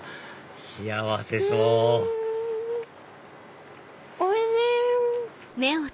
幸せそうおいしい！